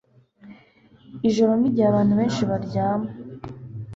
Ijoro nigihe abantu benshi baryama